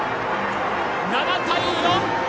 ７対４！